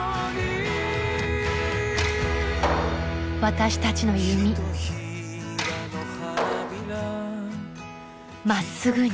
私たちの弓まっすぐに。